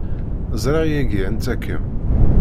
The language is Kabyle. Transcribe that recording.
Ẓriɣ yagi anta kemm.